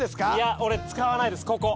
俺使わないです。